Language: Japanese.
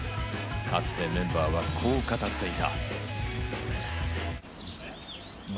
かつてメンバーはこう語っていた。